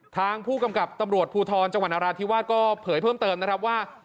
ทางผู้กำกับตำรวจภูทรจังหวัดนราธิวาสก็เผยเพิ่มเติมนะครับว่า